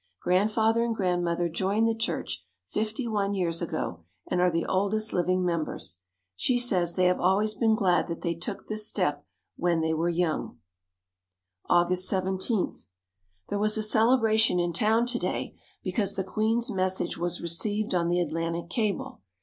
Grandfather and Grandmother joined the church fifty one years ago and are the oldest living members. She says they have always been glad that they took this step when they were young. August 17. There was a celebration in town to day because the Queen's message was received on the Atlantic cable.